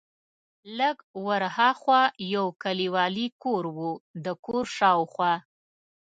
لږ ور ها خوا یو کلیوالي کور و، د کور شاوخوا.